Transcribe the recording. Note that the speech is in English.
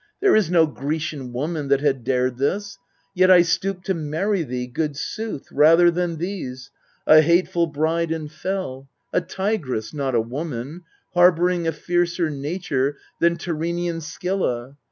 There is no Grecian woman that had dared This yet I stooped to marry thee, good sooth, Rather than these, a hateful bride and fell, A tigress, not a woman, harbouring A fiercer nature than Tyrrhenian Scylla.